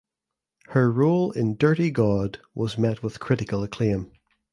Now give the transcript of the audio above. Her role in "Dirty God" was met with critical acclaim.